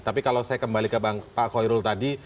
tapi kalau saya kembali ke pak khoirul tadi